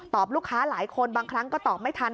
ลูกค้าหลายคนบางครั้งก็ตอบไม่ทัน